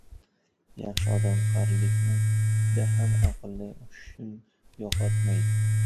• Yaxshi odam qarilikda ham aqlu hushin yo‘qotmaydi.